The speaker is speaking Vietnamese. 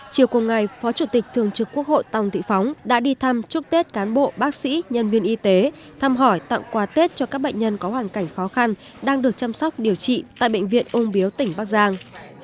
chiều cùng ngày phó chủ tịch thường trực quốc hội tòng thị phóng đã đi thăm chúc tết cán bộ bác sĩ nhân viên y tế thăm hỏi tặng quà tết cho các bệnh nhân có hoàn cảnh khó khăn đang được chăm sóc điều trị tại bệnh viện ung biếu tỉnh bắc giang